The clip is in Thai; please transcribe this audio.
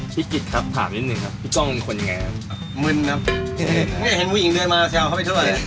พี่กิศครับถามนิดหนึ่งครับ